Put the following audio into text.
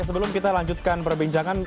sebelum kita lanjutkan perbincangan